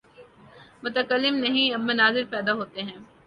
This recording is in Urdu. متکلم نہیں، اب مناظر پیدا ہوتے ہیں۔